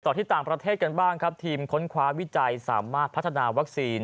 ที่ต่างประเทศกันบ้างครับทีมค้นคว้าวิจัยสามารถพัฒนาวัคซีน